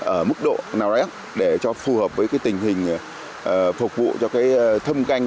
ở mức độ nào đó để cho phù hợp với tình hình phục vụ cho thâm canh